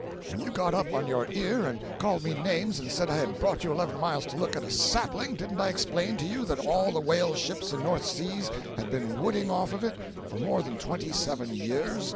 When you got up on your ear and called me names, and said I had brought you eleven miles to look at a sapling, didn't I explain to you that all the whale ships in the North Seas had been wooding off of it for more than twenty seven years?